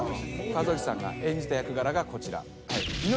和興さんが演じた役柄がこちら。